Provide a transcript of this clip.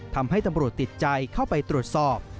ทำให้ตำรวจติดใจเข้าไปตรวจสอบ